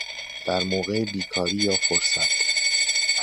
در موقع بیکاری یا فرصت